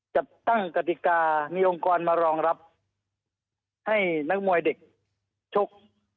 จัดตั้งกฎิกามีองค์กรมารองรับให้นักมวยเด็กชก